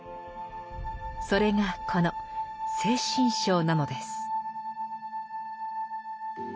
それがこの「精神章」なのです。